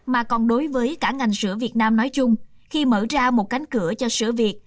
mà còn đối với cả ngành sữa việt nam nói chung khi mở ra một cánh cửa cho sữa việt